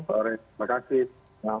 selamat sore terima kasih